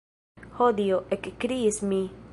Ho Dio! ekkriis mi.